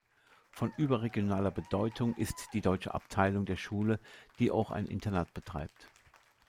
Von überregionaler Bedeutung ist die deutsche Abteilung der Schule, die auch ein Internat betreibt.